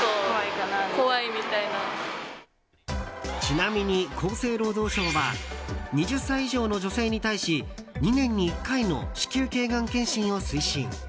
ちなみに厚生労働省は２０歳以上の女性に対し２年に１回の子宮頸がん検診を推進。